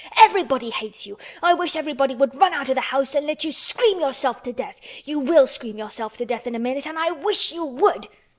Everybody hates you! I wish everybody would run out of the house and let you scream yourself to death! You will scream yourself to death in a minute, and I wish you would!"